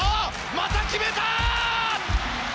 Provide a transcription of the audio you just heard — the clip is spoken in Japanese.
また決めた！